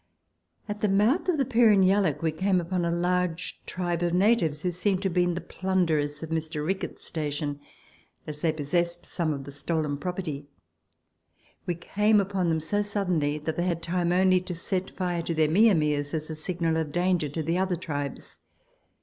At the mouth of the Pirron Yalloak we came upon a large tribe of natives who seem to have been the plunderers of Mr. Ricketts's station, as they possessed some of the stolen property. We came upon them so suddenly that they had time only to set fire to their mia mias as a signal of danger to the other tribes.